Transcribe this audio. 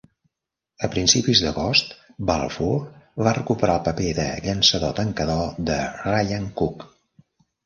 A principis d'agost, Balfour va recuperar el paper de llançador tancador de Ryan Cook.